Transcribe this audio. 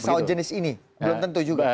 pesawat jenis ini belum tentu juga